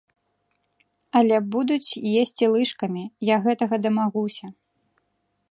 Але будуць есці лыжкамі, я гэтага дамагуся.